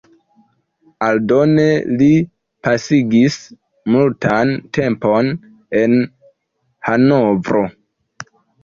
Aldone li pasigis multan tempon en Hanovro.